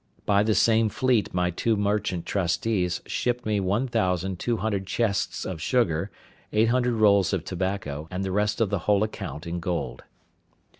By the same fleet my two merchant trustees shipped me one thousand two hundred chests of sugar, eight hundred rolls of tobacco, and the rest of the whole account in gold.